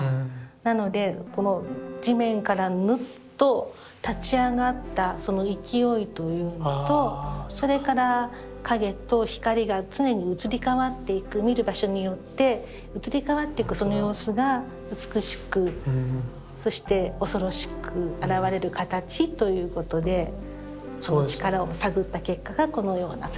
なのでこの地面からヌッと立ち上がったその勢いというのとそれから影と光が常に移り変わっていく見る場所によって移り変わってくその様子が美しくそして恐ろしく現れる形ということでその力を探った結果がこのような姿になりました。